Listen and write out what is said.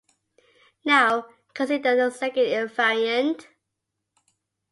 Now consider the second invariant.